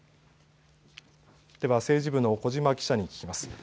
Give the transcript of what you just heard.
では政治部の小嶋記者に聞きます。